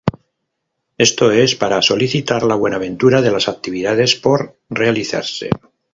Esto es para solicitar la buenaventura de las actividades por realizarse.